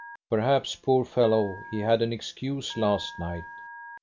Perhaps, poor fellow, he had an excuse last night.